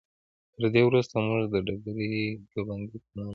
تر دې وروسته موږ د ډبرې ګنبدې ته ننوتلو.